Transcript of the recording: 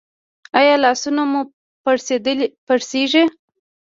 ایا لاسونه مو پړسیږي؟